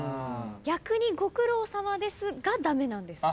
逆に「ご苦労さまです」が駄目なんです。